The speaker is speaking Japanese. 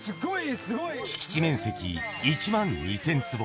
敷地面積１万２０００坪。